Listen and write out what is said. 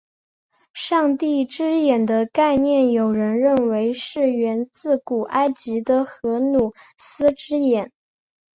上帝之眼的概念有人认为是源自古埃及的荷鲁斯之眼。